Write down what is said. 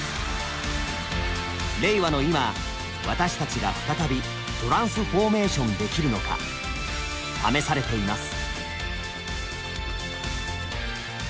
令和の今私たちが再びトランスフォーメーションできるのか試されています。